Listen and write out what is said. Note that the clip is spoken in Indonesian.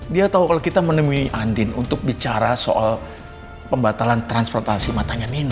dia tahu kalau kita menemui andin untuk bicara soal pembatalan transportasi matanya nini